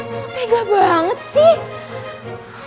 lo tega banget sih